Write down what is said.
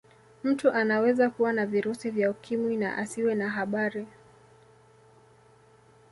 Mtu anaweza kuwa na virusi vya ukimwi na asiwe na habari